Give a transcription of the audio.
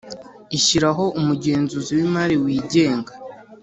ishyiraho umugenzuzi w imari wigenga